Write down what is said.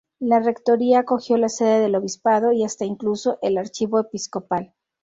La rectoría acogió la sede del obispado y hasta incluso el archivo episcopal.